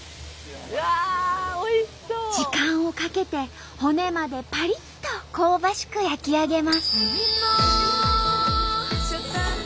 時間をかけて骨までパリッと香ばしく焼き上げます。